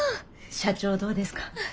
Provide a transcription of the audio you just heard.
社長どうですか？